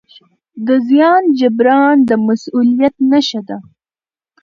د زیان جبران د مسؤلیت نښه ده.